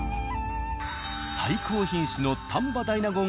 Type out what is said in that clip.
最高品種の丹波大納言